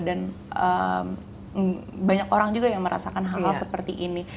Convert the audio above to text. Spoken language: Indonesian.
dan banyak orang juga yang merasakan hal hal seperti ini